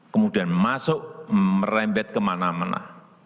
kemudian masuk merembet kemana mana